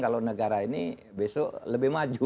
kalau negara ini besok lebih maju